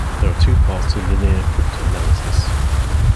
There are two parts to linear cryptanalysis.